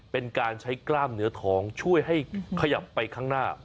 เป็นการใช้กล้ามเนื้อทองช่วยให้ขยับไปข้างหน้า